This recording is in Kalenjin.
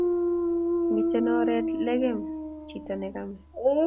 Miten oret lekem chito nekame